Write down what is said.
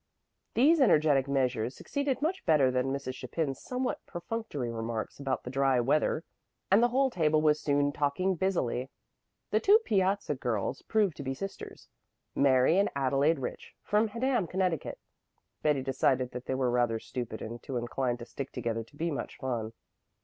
These energetic measures succeeded much better than Mrs. Chapin's somewhat perfunctory remarks about the dry weather, and the whole table was soon talking busily. The two piazza girls proved to be sisters, Mary and Adelaide Rich, from Haddam, Connecticut. Betty decided that they were rather stupid and too inclined to stick together to be much fun.